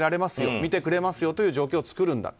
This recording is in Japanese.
診てくれますよという状況を作るんだと。